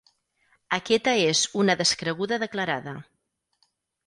Aquesta és una descreguda declarada.